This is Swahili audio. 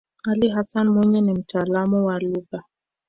ali hassan mwinyi ni mtaalamu wa lugha